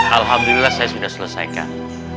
alhamdulillah saya sudah selesaikan